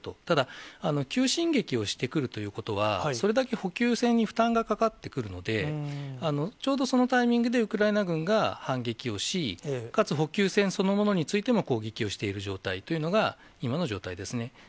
ただ、急進撃をしてくるということは、それだけ補給線に負担がかかってくるので、ちょうどそのタイミングでウクライナ軍が反撃をし、かつ補給線そのものについても攻撃をしている状態というのが、今の状態ですね。